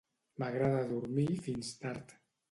M'agrada dormir fins tard.